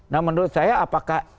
nah menurut saya apakah